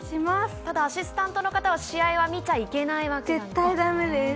ただアシスタントの方は試合は見ちゃいけないわけですね。